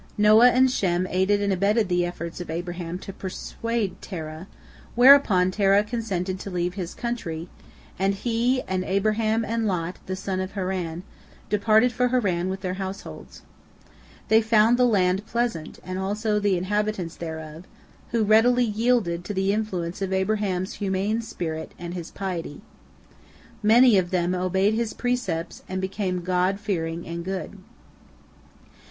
Noah and Shem aided and abetted the efforts of Abraham to persuade Terah, whereupon Terah consented to leave his country, and he, and Abraham, and Lot, the son of Haran, departed for Haran with their households. They found the land pleasant, and also the inhabitants thereof, who readily yielded to the influence of Abraham's humane spirit and his piety. Many of them obeyed his precepts and became God fearing and good.